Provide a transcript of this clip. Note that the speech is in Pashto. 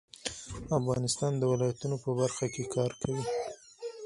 افغانستان د ولایتونو په برخه کې کار کوي.